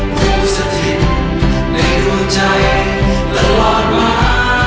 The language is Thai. ผู้สถิตในดวงใจตลอดมา